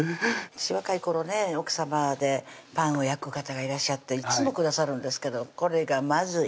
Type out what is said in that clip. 私若い頃ね奥さまでパンを焼く方がいらっしゃっていつもくださるんですけどこれがまずい